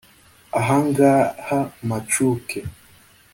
ahangaha mpacuke